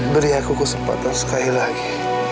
beri aku kesempatan sekali lagi